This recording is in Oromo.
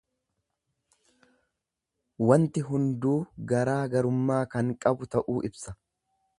Wanti hunduu garaa garummaa kan qabu ta'uu ibsa.